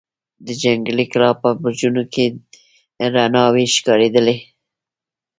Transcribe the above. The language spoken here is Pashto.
د جنګي کلا په برجونو کې رڼاوې ښکارېدلې.